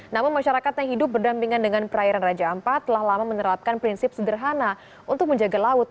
namun masyarakat yang hidup berdampingan dengan perairan raja ampat telah lama menerapkan prinsip sederhana untuk menjaga laut